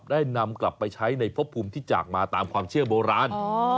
ได้นำกลับไปใช้ในพบภูมิที่จากมาตามความเชื่อโบราณ